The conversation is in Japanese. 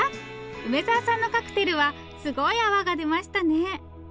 梅沢さんのカクテルはすごい泡が出ましたね。